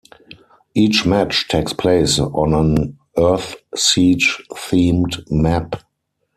Each match takes place on an Earthsiege-themed map.